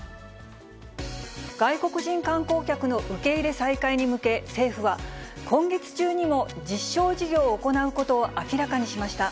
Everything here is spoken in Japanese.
外国人観光客の受け入れ再開に向け、政府は、今月中にも実証事業を行うことを明らかにしました。